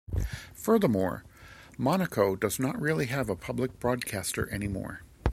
Furthermore, Monaco does not really have a public broadcaster anymore.